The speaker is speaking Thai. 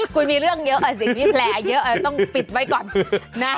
คุณมีเรื่องเยอะสิ่งที่แผลเยอะต้องปิดไว้ก่อนนะ